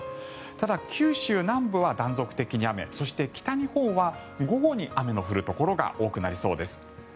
ただ、九州南部は断続的に雨そして北日本は午後に雨の降るところが多くなりそうです。